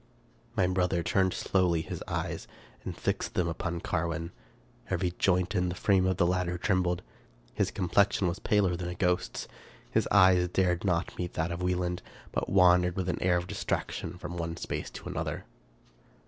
My brother turned slowly his eyes, and fixed them upon Carwin. Every joint in the frame of the latter trembled. His complexion was paler than a ghost's. His eye dared not meet that of Wieland, but wandered with an air of distraction from one space to another.